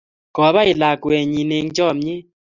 Kopai lakwennyi eng' chamyet